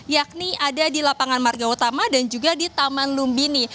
yakni ada di lapangan marga utama dan juga di taman lumbini